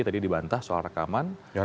tadi dibantah soal rekaman